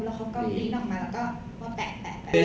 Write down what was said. แล้วเขาก็ลีนออกมาแล้วก็แปะ